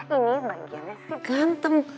ini bagiannya sih ganteng